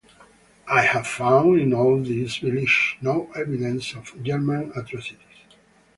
I have found in all these villages no evidence of German atrocities.